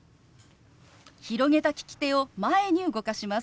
広げた利き手を前に動かします。